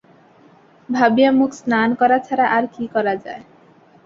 ভাবিয়া মুখ স্নান করা ছাড়া আর কী করা যায়?